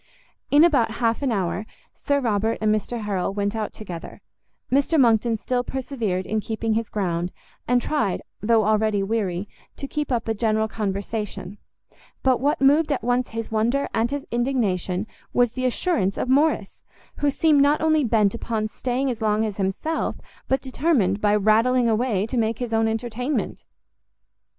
In about half an hour, Sir Robert and Mr Harrel went out together: Mr Monckton still persevered in keeping his ground, and tried, though already weary, to keep up a general conversation; but what moved at once his wonder and his indignation was the assurance of Morrice, who seemed not only bent upon staying as long as himself, but determined, by rattling away, to make his own entertainment.